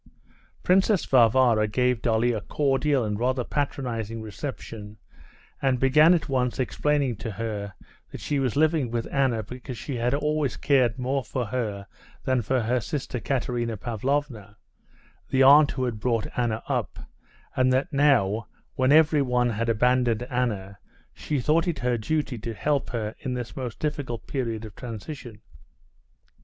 Princess Varvara gave Dolly a cordial and rather patronizing reception, and began at once explaining to her that she was living with Anna because she had always cared more for her than her sister Katerina Pavlovna, the aunt that had brought Anna up, and that now, when everyone had abandoned Anna, she thought it her duty to help her in this most difficult period of transition.